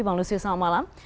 bang lusius selamat malam